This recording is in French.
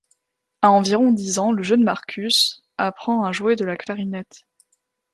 À environ dix ans, le jeune Marcus apprend à jouer de la clarinette.